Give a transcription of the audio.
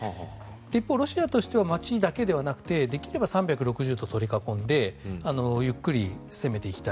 一方ロシアとしては街だけでなく３６０度取り囲んでゆっくり攻めていきたい。